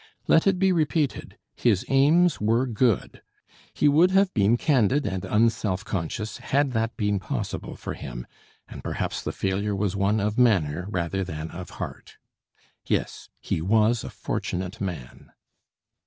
Let it be repeated, his aims were good. He would have been candid and un selfconscious had that been possible for him; and perhaps the failure was one of manner rather than of heart. Yes, he was a fortunate man.